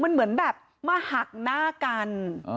มันเหมือนแบบมาหักหน้ากัน